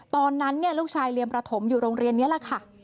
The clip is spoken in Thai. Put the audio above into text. ตอนนั้นลูกชายเรียนประถมอยู่โรงเรียนนี้แหละค่ะ